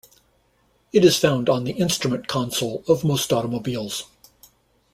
It is found on the instrument console of most automobiles.